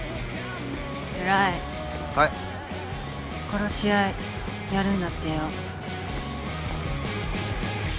殺し合いやるんだってよ。